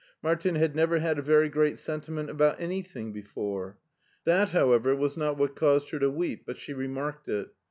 Martin had never had a very great sentiment about anything before. That, however, was not what caused her to weep, but she remarked it.